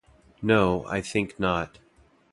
No, I think not.